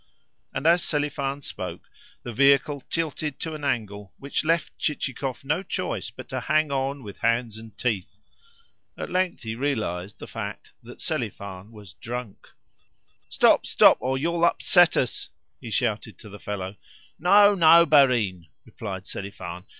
And as Selifan spoke the vehicle tilted to an angle which left Chichikov no choice but to hang on with hands and teeth. At length he realised the fact that Selifan was drunk. "Stop, stop, or you will upset us!" he shouted to the fellow. "No, no, barin," replied Selifan.